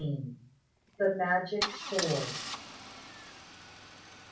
THE MAGIC SWORD.